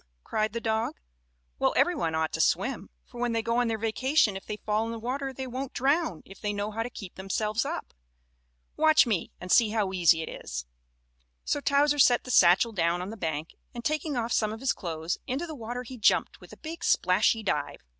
cried the dog. "Well, every one ought to swim, for when they go on their vacation if they fall in the water they won't drown if they know how to keep themselves up. Watch me and see how easy it is." So Towser set the satchel down on the bank and, taking off some of his clothes, into the water he jumped with a big splashy dive.